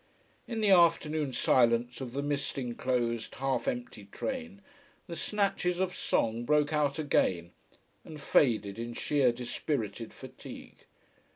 In the afternoon silence of the mist enclosed, half empty train the snatches of song broke out again, and faded in sheer dispirited fatigue.